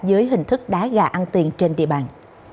dưới hình thức đá gà ăn tiền trên địa bàn